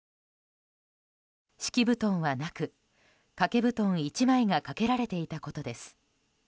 敷布団はなく、掛け布団１枚がかけられていたことです。